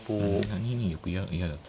２二玉嫌だったですね。